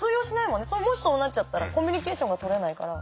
もしそうなっちゃったらコミュニケーションがとれないから。